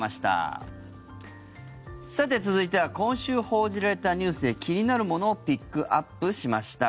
さて、続いては今週報じられたニュースで気になるものをピックアップしました。